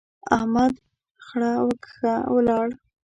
احمد خړه وکښه، ولاړ.